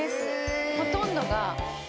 ほとんどが。